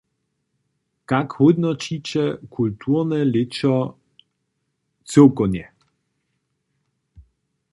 Kak hódnoćiće kulturne lěćo cyłkownje?